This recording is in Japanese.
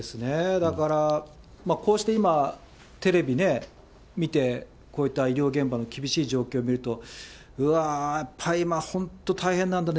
だから、こうして今、テレビね、見て、こういった医療現場の厳しい状況を見ると、うわー、やっぱり今、大変なんだな。